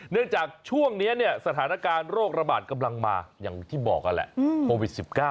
จากช่วงนี้เนี่ยสถานการณ์โรคระบาดกำลังมาอย่างที่บอกนั่นแหละโควิด๑๙